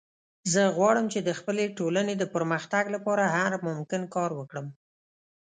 زه غواړم چې د خپلې ټولنې د پرمختګ لپاره هر ممکن کار وکړم